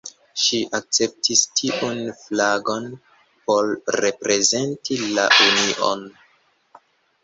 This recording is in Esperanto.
Ŝi akceptis tiun flagon por reprezenti la union.